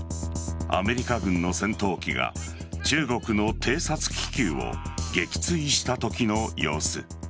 アメリカ軍の戦闘機が中国の偵察気球を撃墜したときの様子。